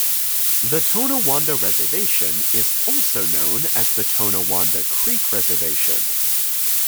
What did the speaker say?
The Tonawanda Reservation is also known as the Tonawanda Creek Reservation.